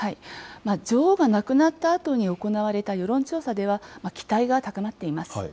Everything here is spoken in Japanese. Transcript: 女王が亡くなったあとに行われた世論調査では、期待が高まっています。